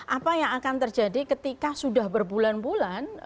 apa yang akan terjadi ketika sudah berbulan bulan